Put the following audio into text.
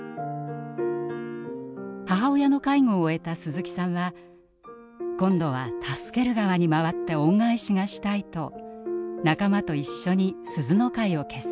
母親の介護を終えた鈴木さんは今度は助ける側に回って恩返しがしたいと仲間と一緒にすずの会を結成します。